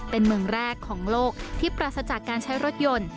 เป็นเมืองแรกของโลกที่ปราศจากการใช้รถยนต์